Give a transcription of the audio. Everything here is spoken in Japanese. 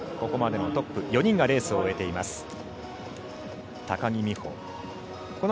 ここまでのトップ４人がレースを終えています。